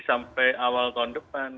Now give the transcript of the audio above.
sampai awal tahun depan